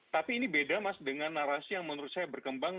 tapi ini beda mas dengan narasi yang menurut saya berkembang